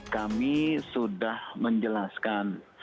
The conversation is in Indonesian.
kami sudah menjelaskan